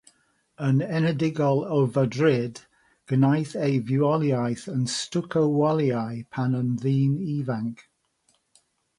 Yn enedigol o Fadrid, gwnaeth ei fywoliaeth yn stwco waliau pan yn ddyn ifanc.